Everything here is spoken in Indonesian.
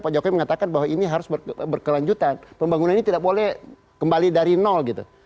pak jokowi mengatakan bahwa ini harus berkelanjutan pembangunan ini tidak boleh kembali dari nol gitu